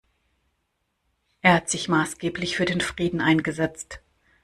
Er hat sich maßgeblich für den Frieden eingesetzt.